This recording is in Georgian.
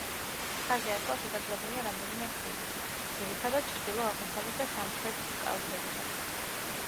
მთაზე ასვლა შესაძლებელია რამდენიმე გზით, ძირითადად ჩრდილო–აღმოსავლეთ და სამხრეთი კალთებიდან.